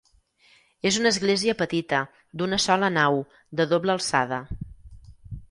És una església petita, d'una sola nau, de doble alçada.